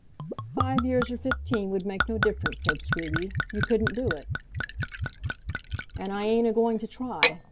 "Five years or fifteen would make no difference," said Scruby. "You couldn't do it." "And I ain't a going to try.